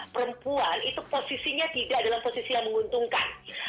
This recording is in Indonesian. perempuan itu posisinya tidak dalam posisi yang menguntungkan